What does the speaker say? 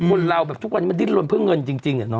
คนเราแบบทุกวันนี้มันดิ้นลนเพื่อเงินจริง